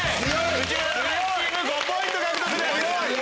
内村さんチーム５ポイント獲得です。